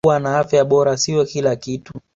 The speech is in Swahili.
Kuwa na afya bora sio kila kitu